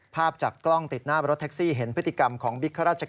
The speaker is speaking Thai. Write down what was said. ภาพจากกล้องติดหน้ารถแท็กซี่เห็นพฤติกรรมของบิ๊กข้าราชการ